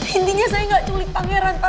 intinya saya gak julik pangeran pak